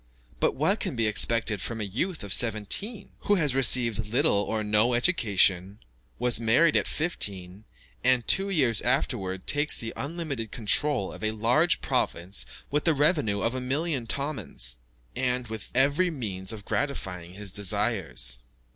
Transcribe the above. But what can be expected from a youth of seventeen, who has received little or no education; was married at fifteen, and, two years afterwards, takes the unlimited control of a large province with a revenue of a million tomans (500,000 pounds), and with every means of gratifying his desires.